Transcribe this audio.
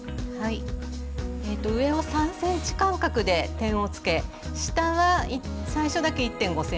はい上を３ｃｍ間隔で点をつけ下は最初だけ１．５ｃｍ